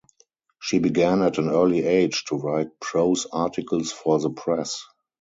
She began at an early age to write prose articles for the press.